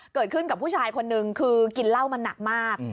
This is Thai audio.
เกิดขึ้นกับผู้ชายคนนึงคือกินเหล้ามันหนักมาก